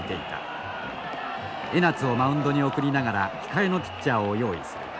江夏をマウンドに送りながら控えのピッチャーを用意する。